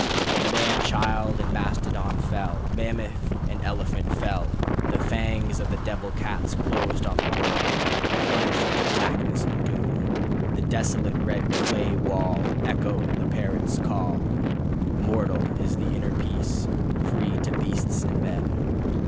... But man child and mastodon fell, Mammoth and elephant fell. The fangs of the devil cats closed on the world, Plunged it to blackness and doom. The desolate red clay wall Echoed the parrots' call: "Immortal is the inner peace, free to beasts and men.